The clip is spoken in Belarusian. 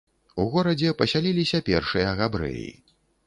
У горадзе пасяліліся першыя габрэі.